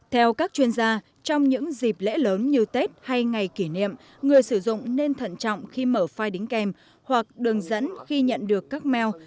theo các chuyên gia trong những dịp lễ lớn như tết hay ngày kỷ niệm người sử dụng nên thận trọng khi mở file đính kèm hoặc đường dẫn khi nhận được các mail